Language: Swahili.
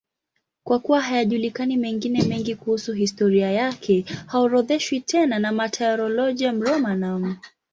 Kwa kuwa hayajulikani mengine mengi kuhusu historia yake, haorodheshwi tena na Martyrologium Romanum.